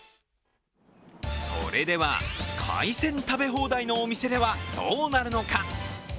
それでは、海鮮食べ放題のお店では、どうなるのか。